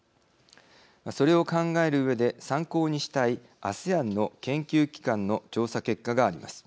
それを考えるうえで参考にしたいアセアンの研究機関の調査結果があります。